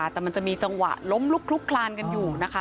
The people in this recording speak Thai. แต่มันจะมีจังหวะล้มลุกลุกคลานกันอยู่นะคะ